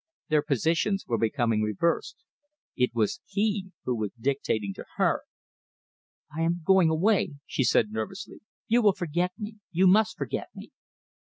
Their positions were becoming reversed. It was he who was dictating to her. "I am going away," she said nervously. "You will forget me. You must forget me."